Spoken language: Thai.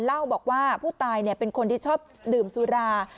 เล่าบอกว่าผู้ตายเป็นคนที่ชอบดื่มสุรา